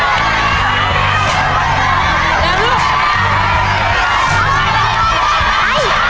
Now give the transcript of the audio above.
พอแล้วโดยเชื่อพี่เลย